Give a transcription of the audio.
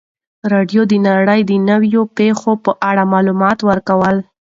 راډیو د نړۍ د نویو پیښو په اړه معلومات ورکول.